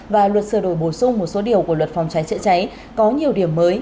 và luật sửa đổi bổ sung một số điều của luật phòng trái trịa trái có nhiều điểm mới